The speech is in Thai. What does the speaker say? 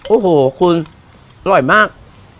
โอ้โหคุณอร่อยมาก